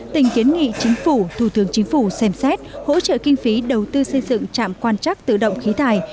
tỉnh kiến nghị chính phủ thủ tướng chính phủ xem xét hỗ trợ kinh phí đầu tư xây dựng trạm quan chắc tự động khí thải